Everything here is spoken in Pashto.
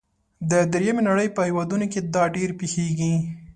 د دریمې نړۍ په هیوادونو کې دا ډیر پیښیږي.